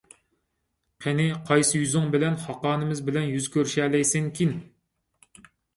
قېنى قايسى يۈزۈڭ بىلەن خاقانىمىز بىلەن يۈز كۆرۈشەلەيسەنكىن!